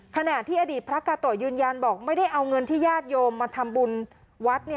ขณะที่อดีตพระกาโตะยืนยันบอกไม่ได้เอาเงินที่ญาติโยมมาทำบุญวัด